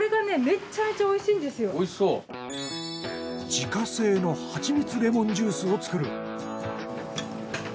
自家製のハチミツレモンジュースを作る。